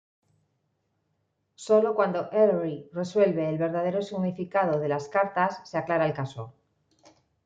Sólo cuando Ellery resuelve el verdadero significado de las cartas se aclara el caso.